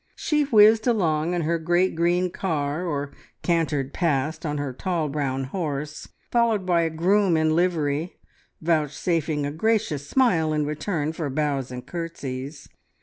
She whizzed along in her great green car, or cantered past on her tall brown horse, followed by a groom in livery, vouchsafing a gracious smile in return for bows and curtseys.